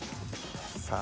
さあ。